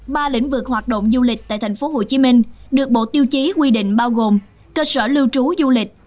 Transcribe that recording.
ba lĩnh vực hoạt động du lịch tại tp hcm được bộ tiêu chí quy định bao gồm cơ sở lưu trú du lịch